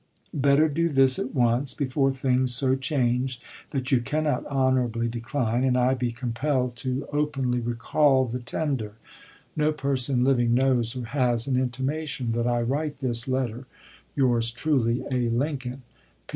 Better do this at once, before things so change that you cannot honorably decline, and I be compelled to LINCOLN'S CABINET 357 openly recall the tender. No person living knows or has ch. xxii. an intimation that I write this letter. Yours truly, A. Lincoln.